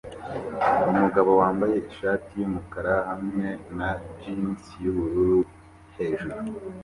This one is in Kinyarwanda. Umugabo wambaye ishati yumukara hamwe na jans yubururu hejuru